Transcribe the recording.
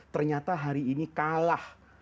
ternyata hari ini kalah